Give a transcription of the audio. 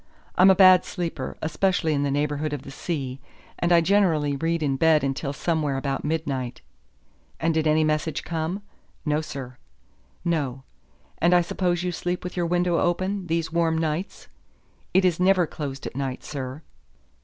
I'm a bad sleeper, especially in the neighborhood of the sea, and I generally read in bed until somewhere about midnight." "And did any message come?" "No, sir." "No. And I suppose you sleep with your window open, these warm nights." "It is never closed at night, sir."